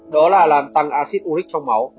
đó là làm tăng acid u hích trong máu